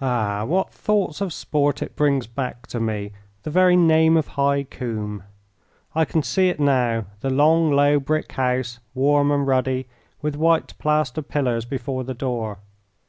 Ah! what thoughts of sport it brings back to me, the very name of High Combe! I can see it now, the long, low brick house, warm and ruddy, with white plaster pillars before the door.